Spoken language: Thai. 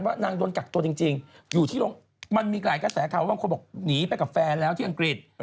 บางคนบอกหัวหนีไปกับแฟนแล้วที่อังกฤษ